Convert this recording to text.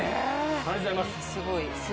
ありがとうございます。